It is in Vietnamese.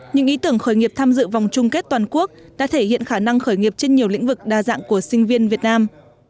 những ý tưởng khởi nghiệp tham dự vòng chung kết toàn quốc đã thể hiện khả năng khởi nghiệp trên nhiều lĩnh vực đa dạng của sinh viên việt nam